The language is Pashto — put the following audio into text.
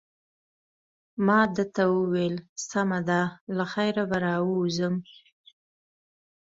ما ده ته وویل: سمه ده، له خیره به راووځم.